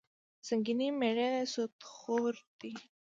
د سنګینې میړه سودخور دي.